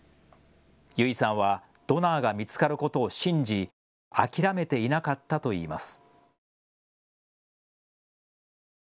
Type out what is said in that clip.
優生さんはドナーが見つかることを信じ諦めていなかったといいます。